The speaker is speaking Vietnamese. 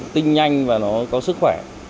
tinh nhanh và nó có sức khỏe